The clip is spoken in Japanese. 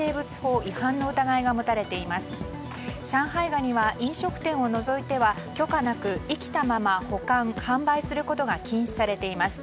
ガニは飲食店を除いては許可なく生きたまま保管販売することが禁止されています。